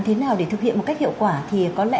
thế nào để thực hiện một cách hiệu quả thì có lẽ